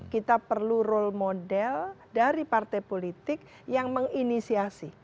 kita perlu role model dari partai politik yang menginisiasi